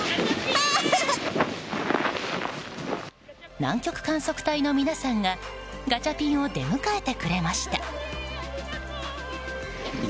南極観測隊の皆さんがガチャピンを出迎えてくれました。